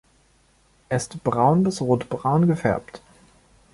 Er ist braun bis rot-braun gefärbt.